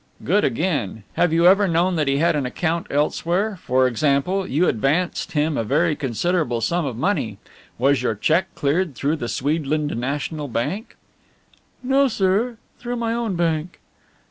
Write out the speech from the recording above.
"Good again. Have you ever known that he had an account elsewhere for example, you advanced him a very considerable sum of money; was your cheque cleared through the Swedland National Bank?" "No, sir through my own bank."